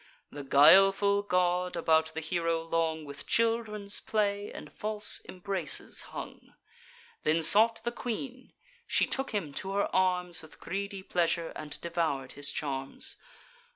The guileful god about the hero long, With children's play, and false embraces, hung; Then sought the queen: she took him to her arms With greedy pleasure, and devour'd his charms.